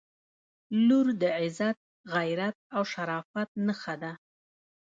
• لور د عزت، غیرت او شرافت نښه ده.